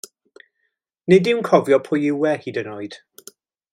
Nid yw'n cofio pwy yw e, hyd yn oed.